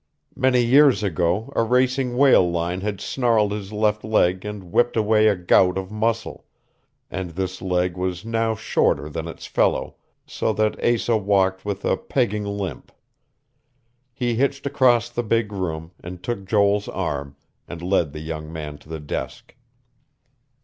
Many years ago, a racing whale line had snarled his left leg and whipped away a gout of muscle; and this leg was now shorter than its fellow, so that Asa walked with a pegging limp. He hitched across the big room, and took Joel's arm, and led the young man to the desk.